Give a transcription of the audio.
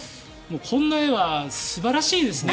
こんな日は素晴らしいですね。